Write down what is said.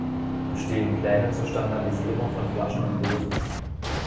Bestehen Pläne zur Standardisierung von Flaschen und Dosen?